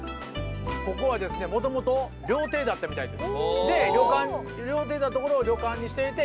ここは元々料亭だったみたいです。